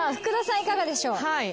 いかがでしょう。